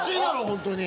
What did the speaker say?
本当に。